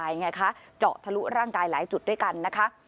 เสาหน่อยเนี่ยค่ะเจาะทะลุร่างกายหลายจุดด้วยกันนะคะ